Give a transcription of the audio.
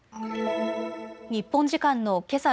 日本時間のけさ